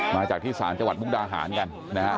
มาจากที่ศาลจบร์มุฒนาหารกันนะครับ